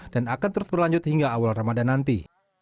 dan akan terus berlanjut hingga awal ramadan nanti